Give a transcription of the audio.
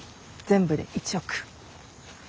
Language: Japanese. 全部で１億。